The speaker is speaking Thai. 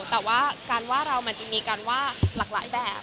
แต่ว่าการว่าเรามันจะมีการว่าหลากหลายแบบ